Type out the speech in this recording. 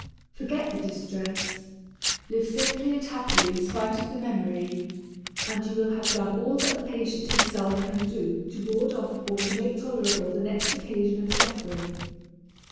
Forget the distress; live simply and happily in spite of the memory, and you will have done all that the patient himself can do to ward off or to make tolerable the next occasion of suffering.